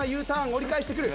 折り返してくる。